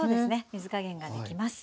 水加減ができます。